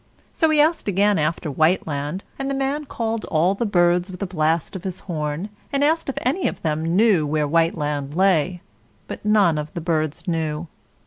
So he asked again after Whiteland, and the man called all the birds with a blast of his horn, and asked if any of them knew where Whiteland lay; but none of the birds knew.